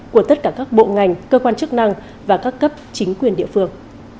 của tất cả các bộ ngành cơ quan chức năng và các cấp chính quyền địa phương